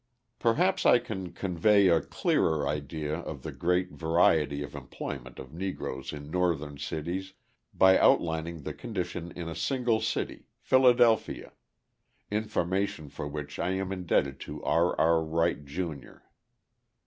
Perhaps I can convey a clearer idea of the great variety of employment of Negroes in Northern cities by outlining the condition in a single city, Philadelphia information for which I am indebted to R. R. Wright, Jr.